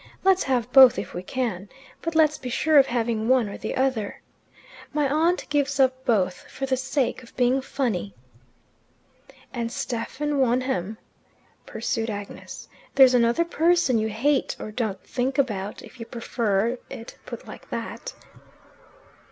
Let's have both if we can, but let's be sure of having one or the other. My aunt gives up both for the sake of being funny." "And Stephen Wonham," pursued Agnes. "There's another person you hate or don't think about, if you prefer it put like that."